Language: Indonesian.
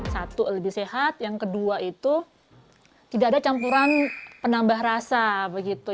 satu lebih sehat yang kedua itu tidak ada campuran penambah rasa begitu